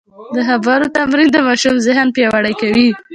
د خبرو تمرین د ماشوم ذهن پیاوړی کوي.